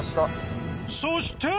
そして！